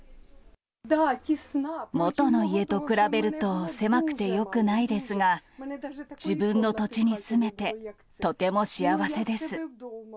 元の家と比べると、狭くてよくないですが、自分の土地に住めてとても幸せです。